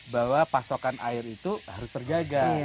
bahwa pasokan air itu harus terjaga